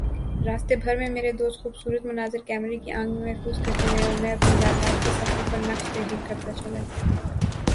راستے بھر میں میرے دوست خوبصورت مناظر کیمرے کی آنکھ میں محفوظ کرتے رہے اور میں اپنی یادداشت کے صفحوں پر نقش تحریر کرتاچلا گیا